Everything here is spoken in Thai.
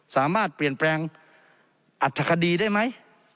สามารถเปลี่ยนแปลงอัธคดีได้ไหม